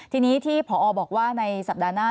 ทีนี้ที่พอบอกว่าในสัปดาห์หน้า